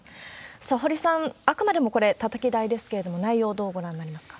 さあ、堀さん、あくまでもこれ、たたき台ですけれども、内容どうご覧になりますか。